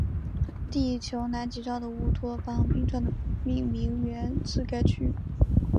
地球南极洲的乌托邦冰川的命名源自该区域。